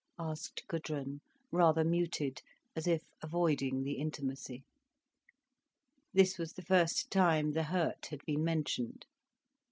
asked Gudrun, rather muted, as if avoiding the intimacy. This was the first time the hurt had been mentioned.